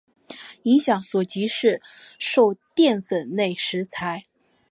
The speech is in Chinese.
影响所及市售淀粉类食材。